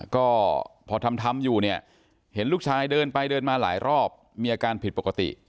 ก็พอทำทำอยู่เนี่ยเห็นลูกชายเดินไปเดินมาหลายรอบมีอาการผิดปกติ